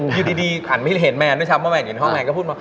อยู่ดีอันไม่เห็นแมนด้วยชอบว่าแมนอยู่ในห้องแมน